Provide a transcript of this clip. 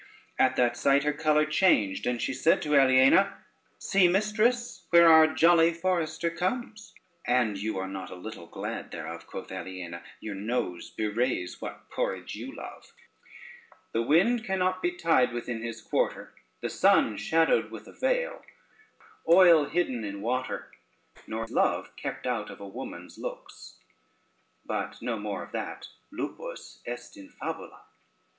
At that sight her color changed, and she said to Aliena: "See, mistress, where our jolly forester comes." [Footnote 1: despondency.] "And you are not a little glad thereof," quoth Aliena, "your nose bewrays what porridge you love: the wind cannot be tied within his quarter, the sun shadowed with a veil, oil hidden in water, nor love kept out of a woman's looks: but no more of that, Lupus est in fabula."